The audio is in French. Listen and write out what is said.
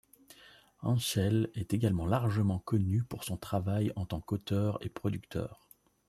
Anschell est également largement connu pour son travail en tant qu'auteur et producteur.